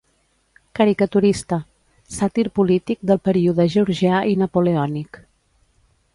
Caricaturista: sàtir polític del període georgià i napoleònic.